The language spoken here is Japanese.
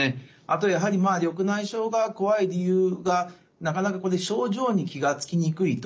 あとやはり緑内障が怖い理由がなかなか症状に気が付きにくいということがあります。